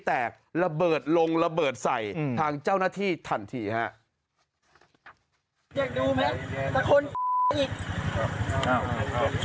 เหตุการณ์จริงมันคงอัดอันมาหลายเรื่องนะมันเลยระเบิดออกมามีทั้งคำสลัดอะไรทั้งเต็มไปหมดเลยฮะ